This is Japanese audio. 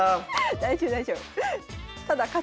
大丈夫大丈夫。